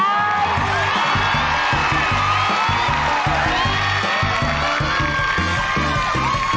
โน้ท